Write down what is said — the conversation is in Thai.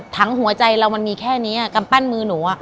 หัวใจเรามันมีแค่นี้กำปั้นมือหนู